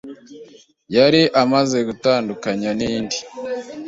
yari amaze gutandukanya n’indi,